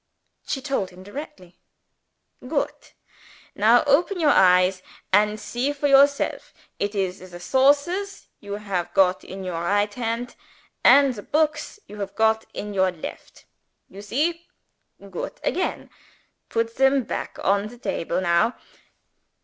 She told him directly. "Goot! now open your eyes, and see for yourself it is the saucers you have got in your right hand, and the books you have got in your left. You see? Goot again! Put them back on the table now.